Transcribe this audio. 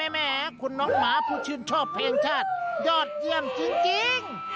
แหมคุณน้องหมาผู้ชื่นชอบเพลงชาติยอดเยี่ยมจริง